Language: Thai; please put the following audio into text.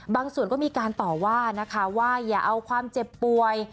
ส่วนก็มีการต่อว่านะคะว่าอย่าเอาความเจ็บป่วย